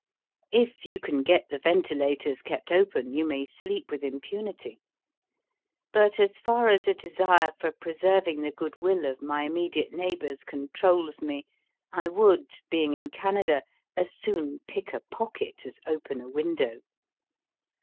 If you can get the ventilators kept open you may sleep with impunity. But, as far as a desire for preserving the goodwill of my immediate neighbours controls me, I would, being in Canada, as soon pick a pocket as open a window.